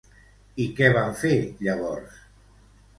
I què van fer, llavors?